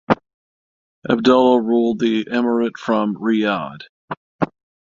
Abdullah ruled the emirate from Riyadh.